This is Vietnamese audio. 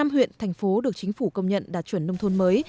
năm huyện thành phố được chính phủ công nhận đạt chuẩn nông thôn mới